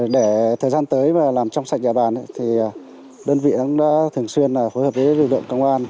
để thời gian tới mà làm trong sạch địa bàn thì đơn vị cũng đã thường xuyên phối hợp với lực lượng công an